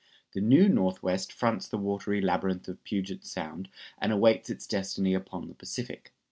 The New Northwest fronts the watery labyrinth of Puget Sound and awaits its destiny upon the Pacific.